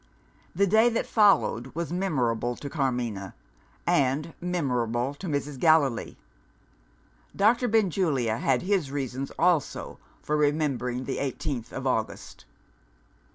The day that followed was memorable to Carmina, and memorable to Mrs. Gallilee. Doctor Benjulia had his reasons also for remembering the eighteenth of August.